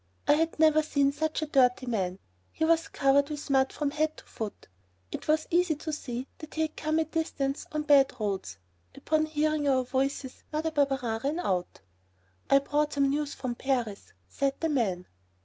I had never seen such a dirty man. He was covered with mud from head to foot. It was easy to see that he had come a distance on bad roads. Upon hearing our voices Mother Barberin ran out. "I've brought some news from Paris," said the man.